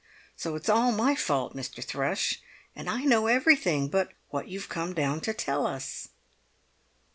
So it's all my fault, Mr. Thrush; and I know everything but what you've come down to tell us!"